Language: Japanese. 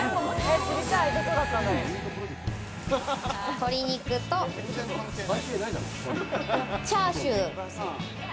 鶏肉とチャーシュー。